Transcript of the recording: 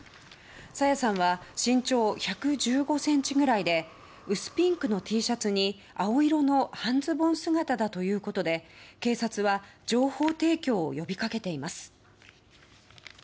朝芽さんは身長１１５ｃｍくらいで薄ピンクのＴシャツに青色の半ズボン姿だということで警察は情報提供を呼び掛けています。